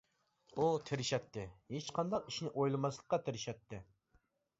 ئۇ تىرىشاتتى، ھېچ قانداق ئىشنى ئويلىماسلىققا تىرىشاتتى.